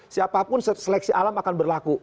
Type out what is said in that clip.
siapapun seleksi alam akan berlaku